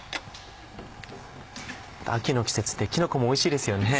秋の季節ってきのこもおいしいですよね。